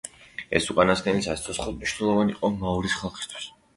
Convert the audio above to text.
ეს უკანასკნელი სასიცოცხლოდ მნიშვნელოვანი იყო მაორის ხალხისთვის.